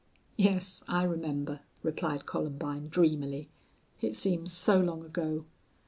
"Yes, I remember," replied Columbine, dreamily. "It seems so long ago."